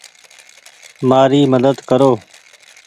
مآري مدد ڪرو ۔